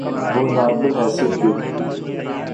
وہ نارمل حیثیت کے ہوں۔